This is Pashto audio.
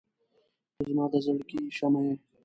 • ته زما د زړګي شمعه یې.